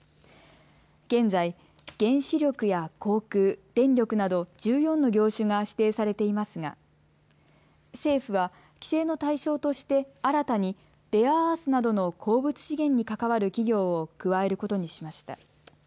現在、原子力や航空、電力など１４の業種が指定されていますが政府は規制の対象として新たにレアアースなどの鉱物資源に関わる企業を加えることにしました。